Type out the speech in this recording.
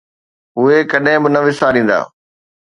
اهي ڪڏهن به نه وساريندا.